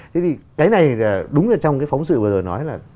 thế thì cái này đúng là trong cái phóng sự vừa nói là